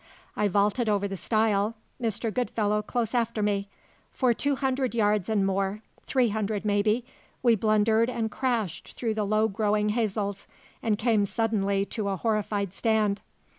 I vaulted over the stile, Mr. Goodfellow close after me. For two hundred yards and more three hundred, maybe we blundered and crashed through the low growing hazels, and came suddenly to a horrified stand.